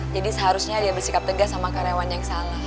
jadi seharusnya dia bersikap tegas sama karyawan yang salah